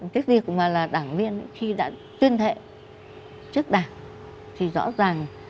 cái việc mà là đảng viên khi đã tuyên thệ trước đảng thì rõ ràng